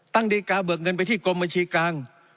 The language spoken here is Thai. ดีการ์เบิกเงินไปที่กรมบัญชีกลาง